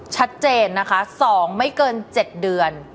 ชัดเจนนะคะ๒ไม่เกิน๗เดือน